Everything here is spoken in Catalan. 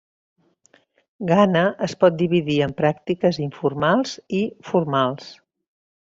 Ghana es pot dividir en pràctiques informals i formals.